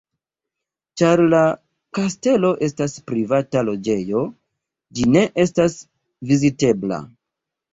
Ĉar la kastelo estas privata loĝejo, ĝi ne estas vizitebla.